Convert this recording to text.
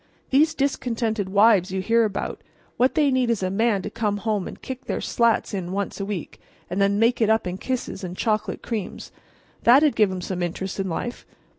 These discontented wives you hear about—what they need is a man to come home and kick their slats in once a week, and then make it up in kisses, and chocolate creams. That'd give 'em some interest in life.